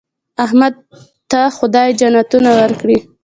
احمد ته خدای جنتونه ورکړي.